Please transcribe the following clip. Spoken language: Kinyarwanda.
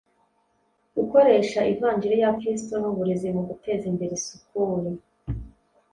gukoresha ivanjiri ya Kristo n uburezi mu guteza imbere isukuri